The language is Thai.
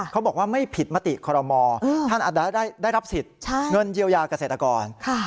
เขาบอกว่าไม่ผิดมติคอรมอท่านได้รับสิทธิ์เงินเยียวยาเกษตรกร